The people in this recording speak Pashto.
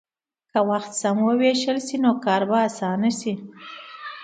که وخت سم ووېشل شي، نو کار به اسانه شي.